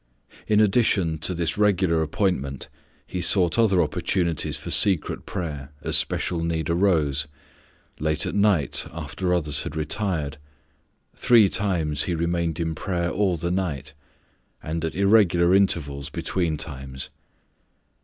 In addition to this regular appointment, He sought other opportunities for secret prayer as special need arose; late at night after others had retired; three times He remained in prayer all the night; and at irregular intervals between times.